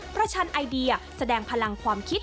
ชันไอเดียแสดงพลังความคิด